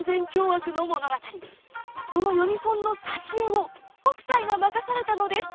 その読本の挿絵を北斎が任されたのです。